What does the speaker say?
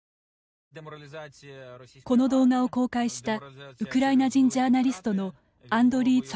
この動画を公開したウクライナ人ジャーナリストのアンドリー